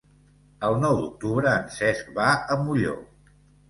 El nou d'octubre en Cesc va a Molló.